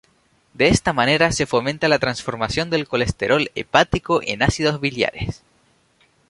De esta manera se fomenta la transformación del colesterol hepático en ácidos biliares.